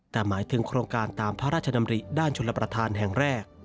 แต่หมายถึงโครงการตามพระราชดำริด้านชลประธานแห่งแรก